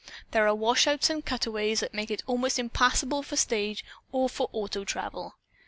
There are washouts and cutways that make it almost impassable for stage or for auto travel."